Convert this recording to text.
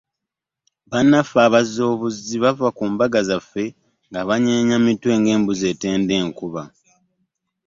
Bannaffe abazzi obuzzi bave ku mbaga zaffe nga banyeenya mitwe ng’embuzi etenda enkuba.